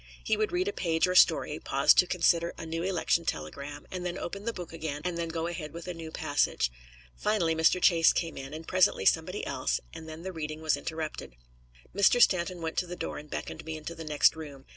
He would read a page or a story, pause to consider a new election telegram, and then open the book again and go ahead with a new passage. Finally, Mr. Chase came in, and presently somebody else, and then the reading was interrupted. Mr. Stanton went to the door and beckoned me into the next room.